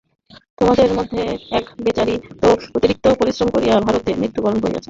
তাঁহাদের মধ্যে এক বেচারী তো অতিরিক্ত পরিশ্রম করিয়া ভারতে মৃত্যুই বরণ করিলেন।